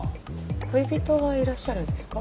恋人はいらっしゃるんですか？